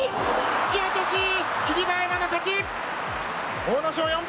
突き落とし、霧馬山の勝ち。